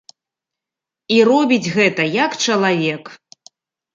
І робіць гэта як чалавек.